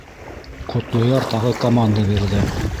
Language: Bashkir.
Ҡотлояр тағы команда бирҙе: